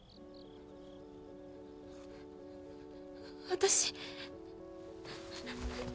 私。